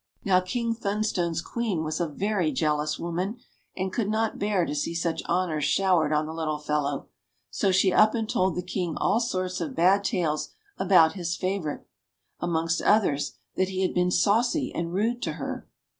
Now King Thunstone's Queen was a very jealous woman, and could not bear to see such honours showered on the little fellow ; so she up and told the King all sorts of bad tales about his favourite ; amongst others that he had been saucy and rude to her.